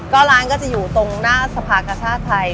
ก็ร้านก็จะอยู่ตรงหน้าสภากชาติไทย